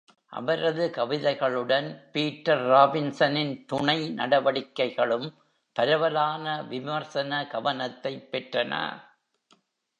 அவரது கவிதைகளுடன், பீட்டர் ராபின்சனின் துணை நடவடிக்கைகளும் பரவலான விமர்சன கவனத்தைப் பெற்றன.